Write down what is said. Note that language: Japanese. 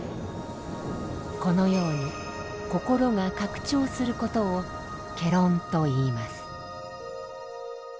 このように心が拡張することを「戯論」といいます。